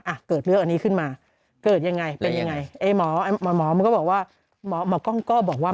อ่ะเกิดเรื่องอันนี้ขึ้นมาเกิดยังไงเป็นยังไงไอ้หมอไอ้หมอหมอมันก็บอกว่า